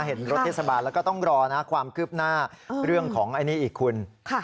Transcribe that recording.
เห็นรถเทศบาลแล้วก็ต้องรอนะความคืบหน้าเรื่องของอันนี้อีกคุณ